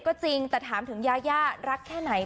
โอ้โฮสารภาพเร็วชอบมาก